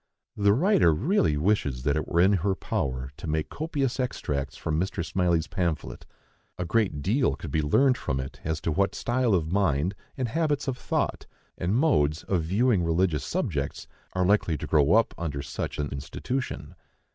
The writer really wishes that it were in her power to make copious extracts from Mr. Smylie's pamphlet. A great deal could be learned from it as to what style of mind, and habits of thought, and modes of viewing religious subjects, are likely to grow up under such an institution.